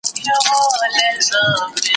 انسانانو یو متل دی پیدا کړی